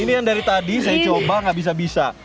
ini yang dari tadi saya coba nggak bisa bisa